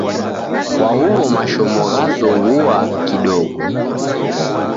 Kwahuwo mashomo ghazoghua kidogo.